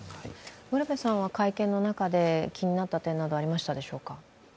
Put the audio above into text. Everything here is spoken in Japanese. ウルヴェさんは会見の中で気になった点などありましたでしょうか？